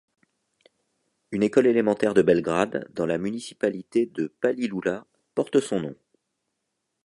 Une école élémentaire de Belgrade, dans la municipalité de Palilula, porte son nom.